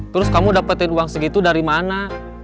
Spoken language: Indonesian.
terus kamu dapetin uang segitu dari mana